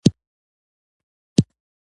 د ترافیک اصول په جدي توګه مراعات کیږي.